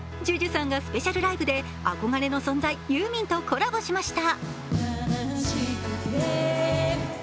ＪＵＪＵさんがスペシャルライブで憧れの存在、ユーミンさんとコラボしました。